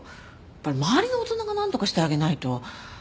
周りの大人が何とかしてあげないと。